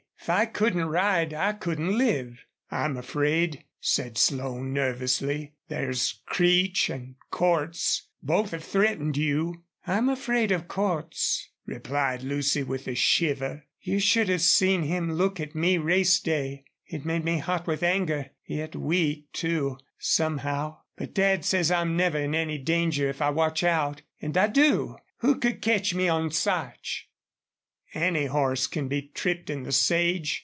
If I couldn't ride I couldn't live." "I'm afraid," said Slone, nervously. "There's Creech an' Cordts both have threatened you." "I'm afraid of Cordts," replied Lucy, with a shiver. "You should have seen him look at me race day. It made me hot with anger, yet weak, too, somehow. But Dad says I'm never in any danger if I watch out. And I do. Who could catch me on Sarch?" "Any horse can be tripped in the sage.